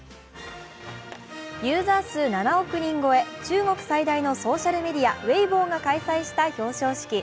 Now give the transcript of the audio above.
ユーザー数７億人超え、中国最大のソーシャルメディア、Ｗｅｉｂｏが開催した表彰式。